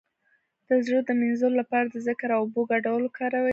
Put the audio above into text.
د زړه د مینځلو لپاره د ذکر او اوبو ګډول وکاروئ